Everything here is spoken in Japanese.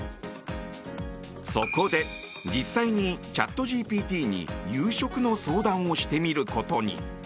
そこで実際にチャットＧＰＴに夕食の相談をしてみることに。